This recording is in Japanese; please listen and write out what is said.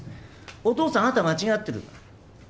お父さん、あなた間違ってる。